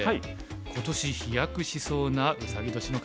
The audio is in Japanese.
今年飛躍しそうなウサギ年の方